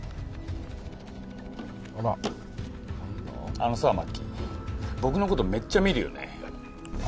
あのさ、マッキー、僕のことめっちゃ見るよね。